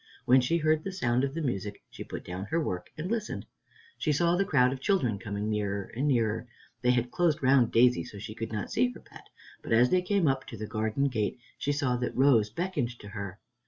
When she heard the sound of the music, she put down her work and listened. She saw the crowd of children coming nearer and nearer. They had closed round Daisy, so she did not see her pet, but as they came up to the garden gate she saw that Rose beckoned to her.